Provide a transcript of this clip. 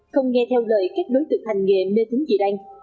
không nghe theo lời các đối tượng hành nghề mê tính gì đang